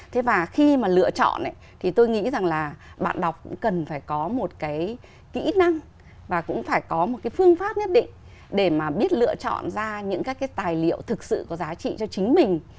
thế và khi mà lựa chọn thì tôi nghĩ rằng là bạn đọc cũng cần phải có một cái kỹ năng và cũng phải có một cái phương pháp nhất định để mà biết lựa chọn ra những các cái tài liệu thực sự có giá trị cho chính mình